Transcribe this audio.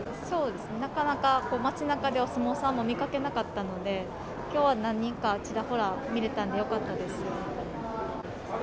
なかなか街なかでお相撲さんを見かけなかったのできょうは何人かちらほら見られたのでよかったです。